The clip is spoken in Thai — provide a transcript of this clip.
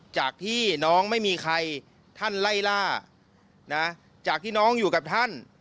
จากที่น้องไม่มีใครท่านไล่ล่าจากที่น้องอยู่กับท่าน